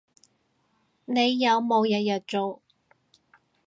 你有冇日日做